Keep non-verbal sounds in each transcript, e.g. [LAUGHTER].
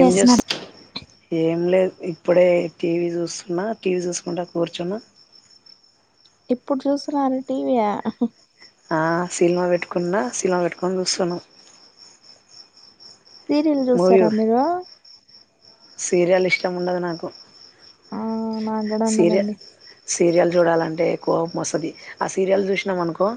ఏం చేస్ చేస్తున్నారు ఏం లేద్ ఇప్పుడే టీవీ చూస్తున్నా టీవీ చూస్కుంటా కూర్చున్నా ఇప్పుడు చూస్తున్నారు టీవీ ఆ సిల్మా పెట్టుకుండా సిల్మా పెట్టుకొని చూస్తున్నాం సీరియల్ మూవీ చూస్తారా మీరు? సీరియల్ ఇష్టముండదు నాకు ఆ మాన్ సీరియ సీరియల్ చూడాలంటే ఎక్కువ కోప్మ్ మొసది ఆ సీరియల్ చూసినాం అనుకో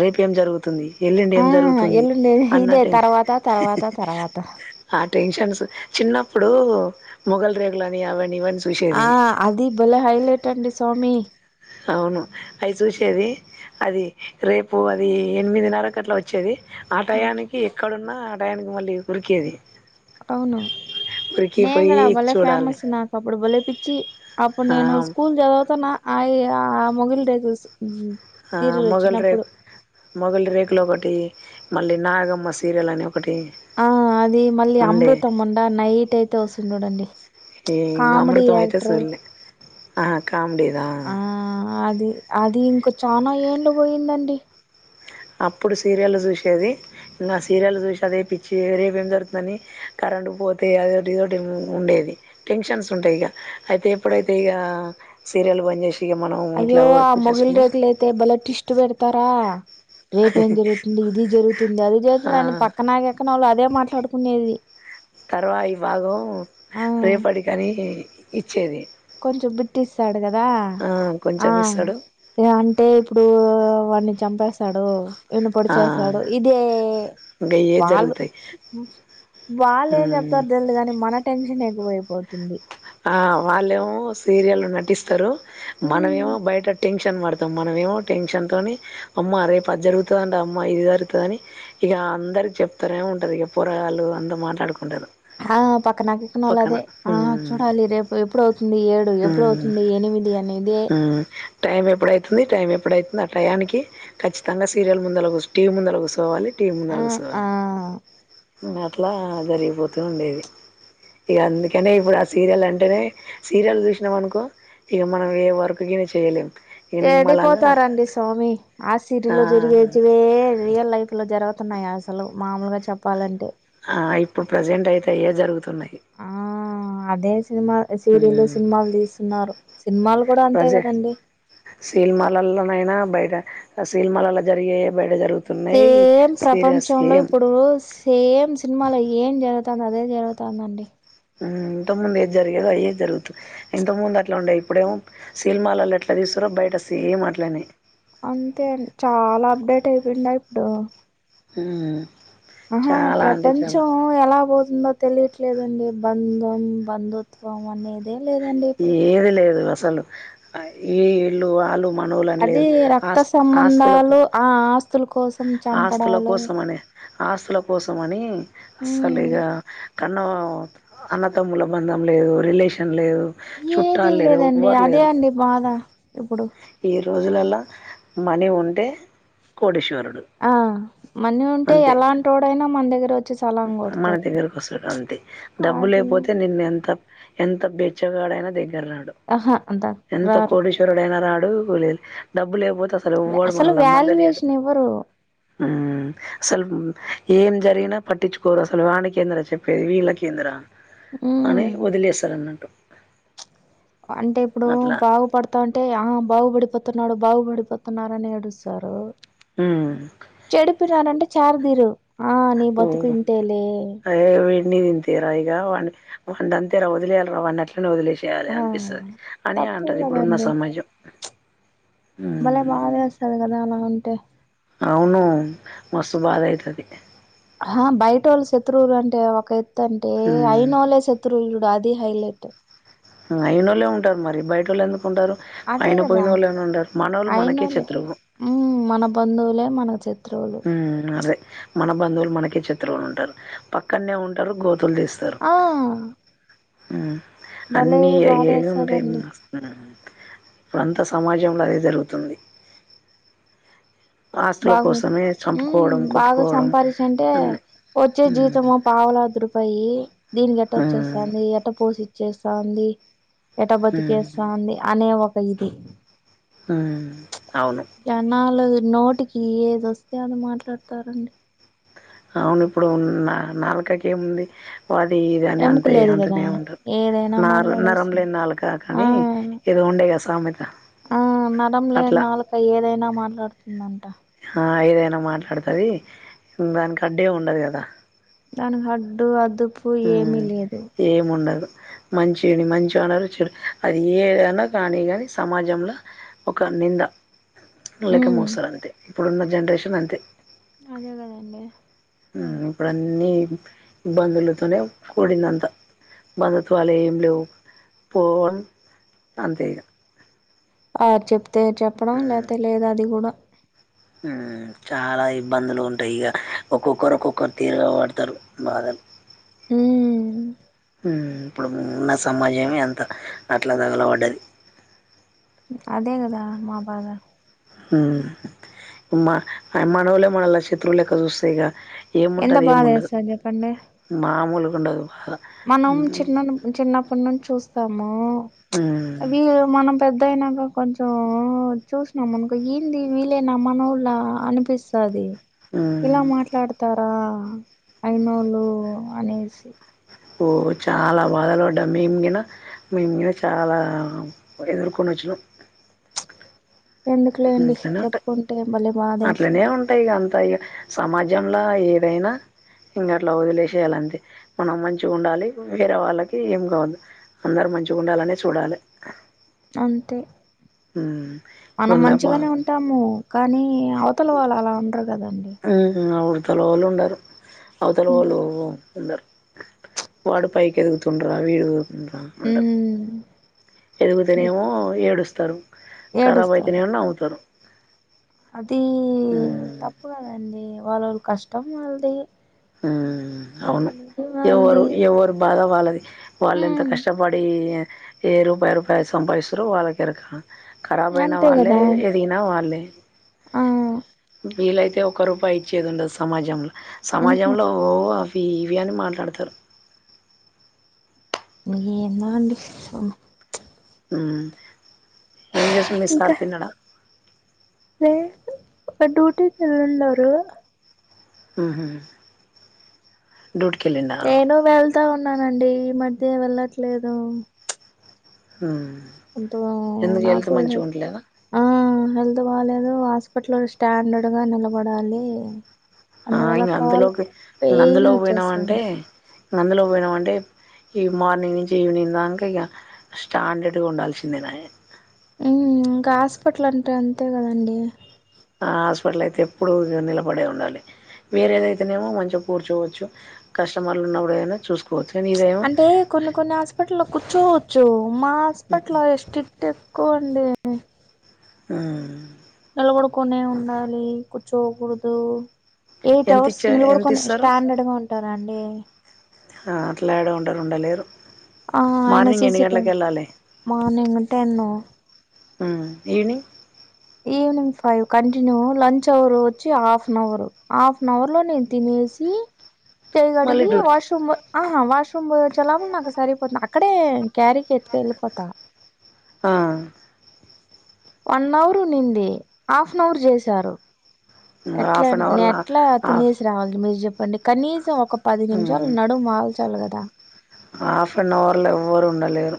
రేపు ఏం జరుగుతుంది వెల్లిండి ఆ ఏం జరుగుతుంది ఎల్లుండి ఇదే అన్నట్ తర్వాత తర్వాత తర్వాత ఆ టెన్షన్స్ చిన్నప్పుడు మొఘలు రేకులని అవని ఇవని ఆ చూసేది అది బలే హైలైట్ అండి సోమి అవును అవి చూసేది అది రేపు అది ఎనిమిదిన్నర కట్ల వచ్చేది ఆ టయానికి ఎక్కడున్నా ఆ టయానికి మళ్ళీ ఉరికేది అవును ఉరికి పోయి నేంగూడా భలే చూడాలి ఫేమస్ నా అప్పుడు బలేపిచ్చి అప్పుడు ఆ నేను స్కూల్ చదవుతన్నా అయ్యా ఆ మొగిల్ రేకుల్స్ ఉమ్ హా మొగల్ రేక్ మొగలి రేకులు ఒకటి మళ్ళీ నాగమ్మ సీరియల్ అని ఒకటి ఆ అది మళ్ళీ ఉండే అమృతం ఉండా, నైట్ అయితే వస్తుంది చూడండి. ఈ కామెడీ యాక్టరు ఆ, కామెడీదా అది అది ఇంక చానా ఏండ్లు పోయిందండి. అప్పుడు సీరియల్లు చూసేది, ఇంకా సీరియల్ చూసి అదే పిచ్చి, రేపు ఏం జరుగుతుందని కరెంటుపోతే అదోటి, ఇదోటి ఉండేది. టెన్షన్స్ ఉంటాయి ఇక, అయితే ఎప్పుడైతే ఇక సీరియల్లు బంద్ చేసిన ఇగ మనం ఇట్లా వర్క్ చేసుకుని తే, భలే ట్విస్ట్ పెడతారా రేపేం జరుగుతుంది, ఇది జరుగుతుంది, అది జరుగుతుంది అని పక్కన గిక్కన వాళ్ళు అదే మాట్లాడుకునేది. తరవాయి భాగం ఆ రేపటికి అని ఇచ్చేది. కొంచెం బిట్టు ఇస్తాడు కదా, ఆ కొంచెం ఇస్తాడు ఏ అంటే ఇప్పుడు వాడిని చంపేస్తాడు ఈడిని పొడిచేస్తాడు, ఇదే ఇంకా ఇవే వాళ్ళు, జరుగుతాయి వాళ్ళు ఏం చెప్తారు తెల్దు గాని మన టెన్షన్ ఎక్కువైపోతుంది. ఆ వాళ్ళేమో సీరియల్లో నటిస్తారు, ఉమ్ మనమేమో బయట టెన్షన్ పడత తం మనమేమో టెన్షన్ తోని, అమ్మా రేపు అది జరుగుతదంట అమ్మ ఇది జరుగుతదని ఇక అందరికి చెప్తనే ఉంటరు, ఇక పోరగాళ్లు అంతా మాట్లాడుకుంటారు. ఆ పక్కనగిక్కనోళ్ళు పక్కన. అదే, ఆ హ్మ్. చూడాలి రేపు ఎప్పుడవుతుంది ఏ డు ఎప్పుడవుతుంది ఎనిమిది అని ఇదే ఊ టైం ఎప్పుడైతుంది, టైం ఎప్పుడైతుంది, ఆ టయానికి ఖచ్చితంగా సీరియల్ ముందు అలా కూచో టీవీ ముందల కూసోవాలి టీవీ ఆ ముందల కూసోవాల నేను ఆ అట్లా జరిగిపోతూ ఉండేది, ఇక అందుకనే ఇప్పుడు అస సీరియల్ అంటేనే, సీరియల్ చూసినాం అనుకో ఇక మనం ఏ వర్కుగిని చేయలేము. చెడిపోతారండి స్వామి, ఆ సిరియల్లో జరిగేటివే రియల్ లైఫ్ లో జరుగుతున్నాయా అసలు, మామూలుగా చెప్పాలంటే ఆ ఇప్పుడు ప్రజెంట్ అయితే అయ్యే జరుగుతున్నాయి. ఆ అదే సినిమా, సీరియళ్ళు ఉమ్ సినిమాలు తీస్తున్నారు, సినిమాలు కూడా అంతే కదండి. సినిమాలల్లోనైనా బయట, సినిమాలల్లో జరిగేయే బయట జరుగు సేమ్ ప్రపంచంలో ఇప్పుడు సేమ్ సినిమాలో ఏం జరుగుతాందో అదే జరుగుతాందండి. ఉమ్ ఇంతకు ముందు ఏది జరిగేదో, అయ్యే జరుగుతున్నాయి. ఇంతకు ముందు అట్లా ఉండేయి, ఇప్పుడేమో సినిమాలలో ఎట్లా తీస్తరో బయట సేమ్ అట్లనే అంతే, చాలా అప్డేట్ అయిపోయుండాయి ఇప్పుడు. ఉమ్ ఆహా, ప్రపంచం ఎలా పోతుందో తెలీట్లేదండి, బంధం బంధుత్వం అనేది అదేం లేదండి ఇప్పుడు ఏది లేదు అసలు, ఈళ్ళు వాళ్లు మనోళ్లని అది లేదు, రక్త ఆస్తు ఆస్తుల సంబంధాలు ఆ ఆస్తుల కోసం ఆస్తుల చంపడాలు కోసం అనే ఆస్తుల కోసమని అస్సలు ఉమ్ ఇగ కన్నవా అన్నతమ్ముల బంధం లేదు, రిలేషన్ లేదు ఏదీ చుట్టాలు లేరు, లేదండి, ఎవ్వరు అదే లేరు. అండి బాధ ఇప్పుడు. ఈ రోజులల్ల మనీ ఉంటే కోటీశ్వరుడు ఆ మనీ ఉంటే అంతే. ఎలాంటోడైనా మన దగ్గరొ మన దగ్గరకు వస్తారు అంతే డబ్బు అది లేకపోతే నిన్ను ఎంత ఎంత బెచ్చగాడైనా దగ్గర రాడు ఆహా అంత ఎంత రారు కోటీశ్ వరుడైనా రాడు లేదు డబ్బు లేకపోతే అసలు ఎవ్వడూ అసలు మనల్ని అమ్మందలీయడు వాల్యుయేషన్ ఇవ్వరు ఉమ్ అసలు ఏం జరిగినా పట్టిచ్చుకోరు అసలు వానికేందిరా చెప్పేది వీళ్ళకేందిరా ఉమ్ అనే వదిలేస్తారన్నట్టు అంటే ఇప్పుడు బాగు పడు తా అంటే ఆ బాగుపడిపోతున్నాడు బాగుపడిపోతున్నారు అని ఏడుస్తారు ఊ చెడిపిరానంటే చారదీరు ఆ నీ బతుకు ఇంతేలే దే వీడిని ఇంతేరా ఇగ వాడిని అంతేరా వదిలేయాలరా వాన్ని అట్లనే వదిలేస్ యాలి ఆ అన్పిస్తది అని తప్పు అంటాది ఇప్పుడున్న కదండి సమాజం భలే మ్మ్. బాధేస్తాది కదా అలా ఉంటే అవును మస్తు బాధ అయితాది హాబయటోళ్ళు శత్రువులు అంటే ఒక ఎత్తు అంటే అయినోళ్ళే శత్ తృలు చూడు అది హైలైట్ అయినోళ్ళే ఉంటారు మరి బయటోళ్ళు ఎందుకు ఉంటారు అదే అయిన కదా పోయినోళ్ళు అని ఉండరు మనోళ్ళు మనకే శత్రువు ఊ మన బంధువులే మనకి శత్ ఊ అదే మన బంధువులు మనకే శత్రువులు ఉంటారు పక్కన్నే ఉంటారు గో తులు తీస్తరు ఆ ఊ భలే అన్నీ అయ్యేది ఉంటాయి [INAUDIBLE] బాధేస్తదండి ఊ ఇప్పుడంతా సమాజంలో అదే జరుగుతుంది ఆస్తుల బాగు కోసమే ఊమ్ చంపుకోవడం బాగా కొట్టుకోవడం సంపారిచ్చంటే అన్నీ వచ్చే హ్మ్ జీతము పావలా అద్దురూ పాయి దీనికి ఎట్ట హ్మ్ వచ్చేస్తాంది ఎట్ట పోషిచ్చేస్తాంది ఎట్ట హ్మ్ బతికేస్తా ఉంది అనే ఒక ఇది అవును జనాలు నోటికి ఏదొస్తే అది మాట్లాడుతారండి అవును ఇప్పుడు నాలుకకి ఏముంది వాడు ఇది అని ఎముక అంతే ఏ లేదు కదా అంటనే ఉంటారు ఏదైనా నారు నరం మాట్లాడేస్తుంది లేని నాలుక ఆ కానీ ఇదో ఉండే గా సామెత ఆ నరం లేని అట్లా నాలుక ఏదైనా మాట్లాడుతుందంట హా ఏదైనా మాట్లాడుతది దానికి అడ్డు ఏం ఉండదు కదా దానికి హడ్డు అదు ఉమ్ ఏం ఉండదు మంచిని మంచు అనరు చెడు అది ఏదైనా కానీ గానీ సమాజంలో ఒక నింద లేక ఉమ్ మోస్తారు అంతే ఇప్పుడున్న జనరేషన్ అంతే అదే గదండి ఊ ఇప్పుడు అన్నీ ఇబ్బందులతోనే కూడిందంతా బంధుత్వాలు ఏం లేవు పో అంతే ఇగ ఆర్ చెప్తే చెప్పడం లేకపోతే లేదు అది కూడా ఊ చాలా ఇబ్బందులు ఉంటాయి ఇగ ఒక్కొక్కరు ఒక్కొక్కరు తీరుగా వాడతారు బాధలు ఊ ఊ ఇప్పుడు ఉన్న సమాజమే అంత అట్లా తగల పడ్డది అదే కదా మా బాధ మా మనోళ్లే మనలా శత్రులెక్క చూస్తే ఇగ ఎంత ఏముంటది బాధ ఏముండదు వేస్తది చెప్పండి మామూలుగా ఉండదు మనం బాధ చిన్న చిన్నప్పటి నుంచి చూస్తాము ఉ వీళ్ళ మనం పెద్దయినాక కొంచెం చూసినామనుకో ఏంది వీలేేనా మనోళ్ళా అని పిస్తాది ఇలా మాట్లాడతారా అయినోళ్ళు అనేసి ఓ చాలా బాధలు పడ్డాం మేంగిన మేమ్గీన చాలా ఎదుర్కొను వచ్చీనం ఎందుకులేండి అట్లనే చెప్పుకుంటే మళ్ళీ బాధేస్త అంట ఇక అంతా ఇగ సమాజంల ఏదైనా ఇంకా అట్లా వదిలేసేయాలంతే మనం మంచిగా ఉండాలి వేరే వాళ్ళకి ఏం కావోద్దు అందరూ మంచిగా ఉండాలనే చూడాలి అంతే మనం ఇప్పుడున్న మంచిగానే ఉంటాము కానీ అవతల వాళ్ళు అలా ఉండరు కదండి అవతలవాళ్ళు ఉండరు అవితలవాళ్ళు ఉండరు ఉండరు వాడు పైకి ఎదుకుతుండురా వీడుండ్రా ఉంటారు మ్ ఎదుగుతేనేమో ఏడుస్తారు ఖరాబ్ ఏడుస్తారు అయితేనేమో నవ్వుతారు అది తప్పు కదండి వాళ్ళు కష్టం వాళ్ళది అవును వాళ్ళది ఎవరు వాళ్ళది ఎవరు బాధ వాళ్ళది వాళ్ళు ఎంత మ్ కష్టపడి ఏ రూపాయి రూపాయ సంపాదిస్తారో వాళ్ళకేరక కరాబ్ అయిన అంతే వాళ్ళే కదా దిన వాళ్ళే ఆ వీళ్లయితే ఒక రూపాయి ఇచ్చేది ఉండదు సమాజంలో మ్హు సమాజంలో ఓ అవి ఇవి అని మాట్లాడతారు ఎన్దో అండి ఏం చేస్తడు మీసార్ తిన్నాడా లేద్ డ్యూటీకి వెళ్ళి ఉన్నారు ఉ డ్యూటీ కెళ్లి నేను వెళ్తా ఉన్నానండి ఈ మధ్య వెళ్ళట్లేదు కొంత ఎందుకు హెళ్త్ నాకు మంచిగా ఉంట్లలేదా ఆ హెల్త్ బాలేదు హాస్పిటల్ స్టాండర్డ్గా నిలబడాలి అందువల్ల ఇంక కాల్ అందులోకి పెయిన్ అందులోకి వచ్చేస్తుంది పోయినామంటే అందులో పోయినామంటే ఈ మార్నింగ్ నుంచి ఈవినింగ్ దాక ఇక స్టాండర్డ్గా ఉండాల్సిందే నాయే ఇంకా హాస్పిటల్ అంటే అంతే కదండి ఆ హాస్పిటలయితే ఎప్పుడు నిలబడే ఉండాలి వేరేదైతేనేమో మంచిగా కూర్చోవచ్చు కస్టమర్లు ఉన్నప్పుడు ఏనా చూసుకో అంటే కొన్ని కొన్ని హాస్పిటల్లో కూర్చోచ్చు మా హాస్పిటల్ స్టీట్ కోండి ఉ నిలబడుకనే ఉండాలి కూర్చోకూడదు ఎయిట్ ఎంత అవర్స్ ఇచ్చే ఎంత నిలబడుకొని ఇస్తారు స్టాండర్డ్ గా ఉంటారా అండి అట్ల ఎడ ఉండరు ఉండలేరు ఆ ఆయన మార్నింగ్ ఎన్ని సిసి కెమ గంటలకు వెళ్ళాలి మార్నింగ్ టెన్ను ఆ evening evening five continue lunch hour వచ్చి హాఫన్ అవర్ హాఫన్ అవర్లో నేను తినేసి చేయి మళ్ళీ కడిగి డ్యూటీ వాష్రూమ్ పొ ఆహ వాష్రూమ్ పోయిచ్చేలోపల నాకు సరిపోత అక్కడే క్యారీకి ఎత్త వెళ్ళిపోతా ఆ వన్ అవర్ ఉండింది హాఫన్వర్ చేశారు ఎట్ల హాఫ్ అన్ అవర్లా ఎట్లా హాఫ్ తినేసి రావాలి మీరు చెప్పండి కనీసం ఒక పది నిమిషాలు నడువాల్చాలి కదా హాఫన్ అవర్లో ఎవ్వరు ఉండలేరు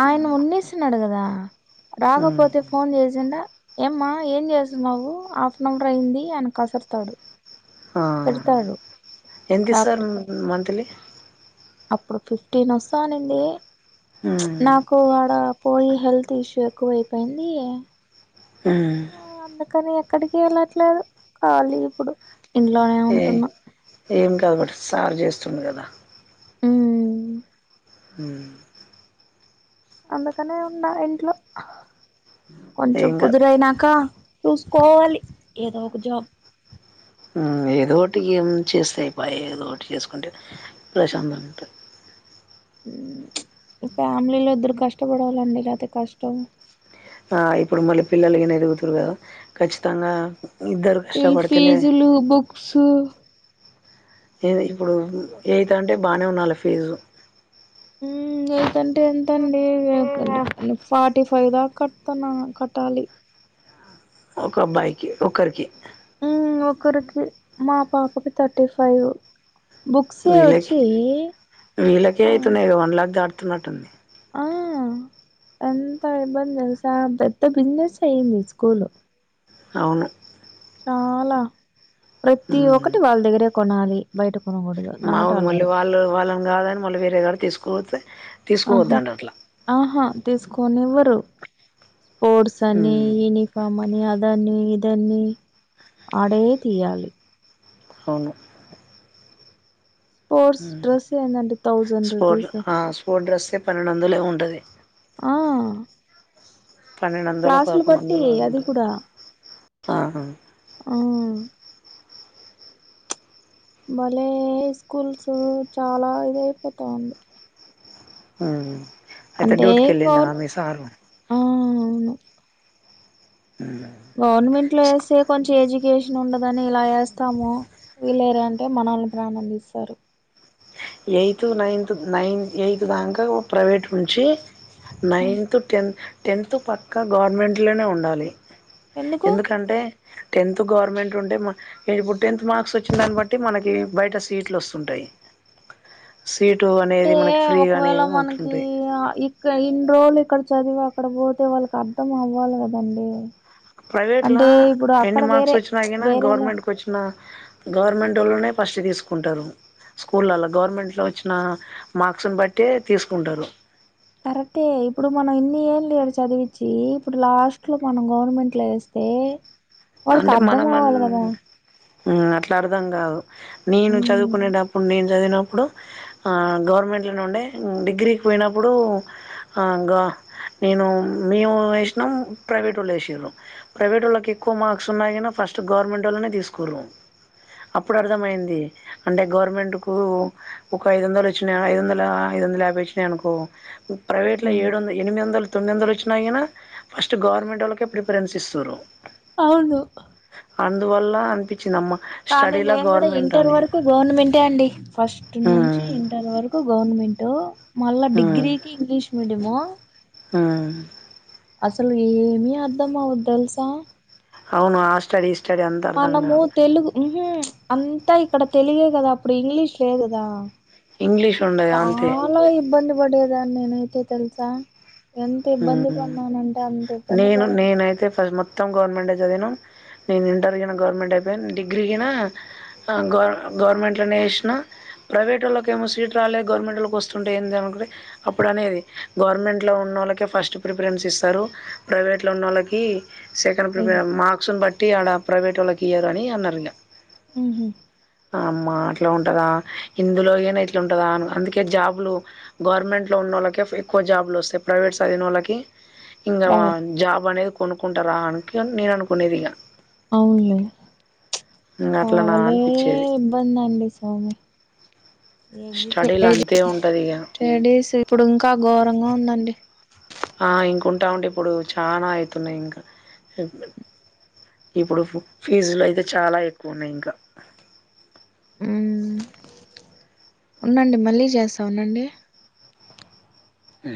ఆయన వన్నేసినడు కదా హ్మ్. రాకపోతే ఫోన్ చేసిండ ఏమ్మా ఏం చేస్తున్నవు హాఫన్ అవర్ అయింది అని కసిరతడు ఆ ఎంతీస్తారు మంత్లీ అప్పుడు ఫిఫ్టీన్ ఇస్త అనింది ఉమ్ పో వాడ పో హెల్త్ ఇష్యూ ఎక్కువయిపోయింది ఉమ్ ఆ అందుకని ఎక్కడికి వెళ్ళట్లేదు కాలీ ఇప్పుడు ఇంట్లోనే ఏ ఉంటున్న ఏం కాదుబట్ సార్ చేస్తుండు కదా ఉమ్ ఉమ్ అందుకనే ఉన్నా ఇంట్లో కొంచెం ఏం కాదు. కుదురైనక చూసుకోవాలి ఏదో ఒక జాబ్ ఆ ఏదో ఒకటి ఏం చేస్తాయి పా ఏదో ఒకటి చేసుకుంటే ప్రశాంతంగ ఉంటది ఫ్యామిలీలో ఇద్దరు కష్టపడలండి లేపోతే కష్టం ఆ ఇప్పుడు మళ్ళీ పిల్లగిన ఎదుగుతుర్ కదా ఖచ్చితంగా ఇద్దరు ఇ కష్టపడితేనే ఫీజులు బుక్స్ ఏది ఇప్పుడు ఎయిత్ అంటే బానే ఉన్నలే ఫీజు ఉమ్ ఎయిత్ అంటే ఎంతండి ఫార్టీ ఫైవ్ దాకట్న్ కట్టాలి ఒకబ్బాయికి ఒకరికి ఉమ్ ఒకరికి మా పాపకి థర్టీ ఫైవ్ బుక్సే వీళ్ళకి వచ్చి వీళ్ళకే ఆ అయితున్నయి వన్ లాక్ దాటుతున్నట్టుంది ఆ ఎంత ఇబ్బంది తెల్సా పెద్ద బిజినెస్ అయ్యింది స్కూల్ అవును చాలా ప్రతి ఒక్కటి వాళ్ళ దగ్గరే కొనాలి బయట కొనకూడదు నాట్ అలౌడ్ అల్లు వల్ల కాదని మళ్ళీ వేరేగడికి ఏసుకపోతే అహ ఆహా తీసుకోనివ్వరు స్పోర్ట్స్ అని యినిఫ ఫమ్ని అదని ఇదని అడే తీయాలి అవును స్పోర్ట్స్ డ్రెసయిదండి థౌజండ్ రూపీస్ ఓ డ్రస్సే పన్నెందొందలేమో ఉంటది ఆ పన్నెండు వందలో క్లాసులు పదకొండు బట్టి వందలో అది ఉంటది అహ ఆవును బలే స్కూల్స్ చాలా ఇద అయిపోతాంది ఊ అయితే అంటే డ్యూట్కి ఎలిండ గవర్న మీ సారు ఆ అవును ఊ గవర్నమెంట్ లో వేస్తే కొంచెం ఎడ్యుకేషన్ ఉండదని ఇలా వేస్తాము వీళరు అంటే మనల్ని ప్రాణందిస్తారు ఎయిత్ నైన్త్ నైన్త్ ఎయిత్ దాకా ప్రైవేట్ నుంచి ఆ, నైన్త్ టెన్ టెన్త్ పక్కా గవర్నమెంట్లోనే ఉండాలి ఎందుకు ఎందుకంటే టెన్త్ గవర్నమెంట్ ఉంటే మ ఇప్పుడు టెన్త్ మార్క్స్ వచ్చిన దాన్ని బట్టి మనకి బయట సీట్లు వస్తుంటాయి సీటు అనే అంటే ఒకవేళ మనకి ఆ ఈ ఇక ఇన్ని రోజులు ఇక్కడ చదివి అక్కడ పోతే వాళ్ళకి అర్ధం అవ్వాలి కదండి ప్రైవేట్ లో అంటే ఇప్పుడు ఎన్ని అక్కడ మార్క్స్ వేరే వచ్చినా గిన వేరేలా గవర్నమెంట్ కొచ్చిన గవర్నమెంట్ ఓలనే ఫస్ట్ తీసుకుంటారు స్కూలల గవర్నమెంట్ లో వచ్చిన మార్క్స్ బట్టి తీసుకుంటారు కరెక్టే ఇప్పుడు మనం ఇన్ని ఏళ్ళక్కడ చదివించి ఇప్పుడు లాస్ట్ లో మనం గవర్నమెంట్ లో వేస్త తే వాడికి అర్థం అవాలి కదా ఊ అట్లా అర్థం కాదు నేను ఉమ్ చదువుకునేటప్పుడు నేను చదివినప్పుడు ఆ గవర్నమెంట్ల నుండే డిగ్రీకి పోయినప్పుడు ఆ ఇంకా నేను మేము వేసినాం ప్రైవేట్ వాళ్ళు వేసిరు ప్రైవేట్ వాళ్ళకి ఎక్కువ మార్క్స్ ఉన్నాయి కానీ ఫస్ట్ గవర్నమెంట్ వాళ్ళనే తీసుకోరు అప్పుడు అర్థమైంది అంటే గవర్నమెంట్కు ఒక ఐదు వందలు వచ్చినా ఐదు వందల ఐదు వందల యాభై వచ్చినా అనుకో ప్రైవేట్లో ఏడు వందల ఎనిమిది వందలు తొమ్మిది వందలు వచ్చినా కానీ ఫస్ట్ గవర్నమెంట్ వాళ్ళకే ప్రిఫరెన్స్ ఇస్తారు అవును అందువల్ల అనిపించిందమ్మ కానీ స్టడీలో నేను కూడా గవర్నమెంట్ ఇంటర్ అని వరకు గవర్నమెంటే అండి ఫస్ట్ నుంచి ఉమ్ ఇంటర్ వరకు కు గవర్నమెంట్ మళ్ళా డిగ్రీకి ఇంగ్లీష్ మీడియము ఊ అసలు ఏమి అర్ధం అవద్దు తెలుసా అవును ఆ స్టడీస్ మనము తెలుగు అంతా ఇక్కడ తెలుగే కదా అప్పుడు ఇంగ్లీష్ లేదుదా ఇంగ్లీష్ ఉండదు అంతే చాలా ఇబ్బంది పడేదాని నేనైతే తెలుసా ఎంత ఇబ్బంది పడినానంటే అంత ఇబ్బంది పడ నేనైయితే ఫస్ట్ మొ మొత్తం గవర్నమెంట్ ఏ చదివినం నేను ఇంటర్ గినా గవర్నమెంట్ అయిపోయాను డిగ్రీ గినా ఆ గవర్ గవర్నమెంట్లనే చేసిన ప్రైవేట్ వాళ్లకు ఏమో సీట్ రాలేదు గవర్నమెంట్ వాళ్లకు సీట్ వస్తుంటే ఏంది అనుకుంటే అప్పుడు అనేది గవర్నమెంట్ లో ఉన్న వాళ్ళకి ఫస్ట్ ప్రిఫరెన్ ఇస్తారు ప్రైవేట్లో ఉన్న వాళ్ళకి సెకండ్ ఇగ ప్రిపేర్ మర్క్స్ ని బట్టి టి ఆడా ప్రైవేట్ వాలకి ఇయరు అని అన్నర్ ఇంగ ఉహు అమ్మా అట్లా ఉంటదా ఇందులో ఇగనా ఎట్లా ఉంటదో అ అందుకే జాబులు గవర్నమెంట్ లో ఉన్నళ్ళే ఎక్కువ జాబ్ లు వస్తయి ప్రైవేటు చదివిన వాళ్ళకి ఇంకా డై జాబ్ అనేది కొనుక్కుంటే రాదు అన్నట్టు నేను అనుకునేది ఇక అవునులే చ్ ఇంగ అట్లనా కాలే అనిపిచ్చేది మస్తాన్ పిస్తోంది స్టడీలు ఎది అంతే ఉంటది ఇగ లేడీస్ ఇప్పుడు ఇంకా ఘోరంగా ఉందండి ఆ ఇంకంటా ఉంటే ఇప్పుడు చనా అయితున్నాయి ఇంకా ఇప్పుడు ఫీజులు అయితే చాలా ఎక్కువ ఉన్నాయి ఇంకా ఉమ్ ఉండండి మళ్ళీ చేస్తా ఉండండి ఉ